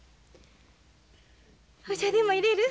お茶でもいれる？